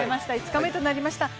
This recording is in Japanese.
５日目となりましたね。